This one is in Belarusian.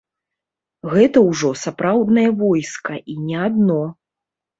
Гэта ўжо сапраўднае войска і не адно.